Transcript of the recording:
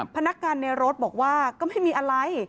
พนักงานในรถบอกว่าก็ไม่มีอะไร